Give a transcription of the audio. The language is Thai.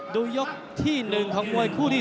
ดูยกที่๑ใคร่ง้วยคู่ที่๓